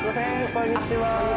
こんにちは